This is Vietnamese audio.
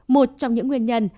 một trong những nguyên nhân